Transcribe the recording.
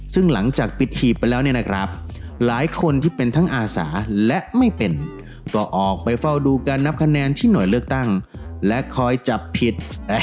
ซึ่งหลังจากปิดหีบไปแล้วเนี่ยนะครับหลายคนที่เป็นทั้งอาสาและไม่เป็นก็ออกไปเฝ้าดูการนับคะแนนที่หน่วยเลือกตั้งและคอยจับผิด